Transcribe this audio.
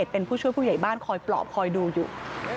เป็นผู้ช่วยผู้ใหญ่บ้านคอยปลอบคอยดูอยู่